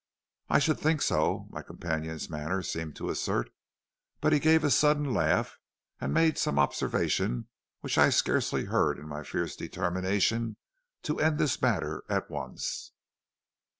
"'I should think so,' my companion's manner seemed to assert, but he gave a sudden laugh, and made some observation which I scarcely heard in my fierce determination to end this matter at once.